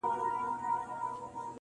• زه لرمه ډېر دولت دا هم علم هم آدب دی,